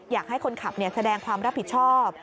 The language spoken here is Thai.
อยากให้คนขับแสดงความรับผิดชอบ